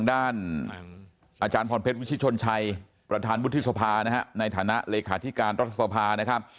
ด้านอาจารย์พรเพชรวิชิชนชัยประธานวุฒิสภานะฮะในฐานะเลขาธิการรัฐสภานะครับ